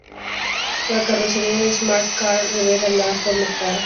La carrocería del Smart Car revela de forma clara, un diseño funcional y modular.